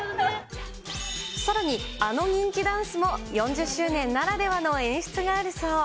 さらにあの人気ダンスも４０周年ならではの演出があるそう。